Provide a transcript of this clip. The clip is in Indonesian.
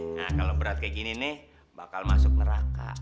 nah kalau berat kayak gini nih bakal masuk neraka